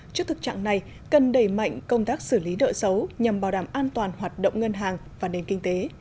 trước thực trạng này cần đẩy mạnh công tác xử lý nợ xấu nhằm bảo đảm an toàn hoạt động ngân hàng và nền kinh tế